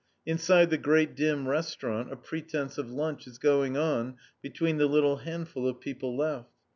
Inside the great dim restaurant a pretence of lunch is going on between the little handful of people left.